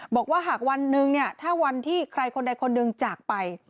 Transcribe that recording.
บอกว่าหากวันหนึ่งเนี่ยถ้าวันที่ใครคนใดคนหนึ่งจากไป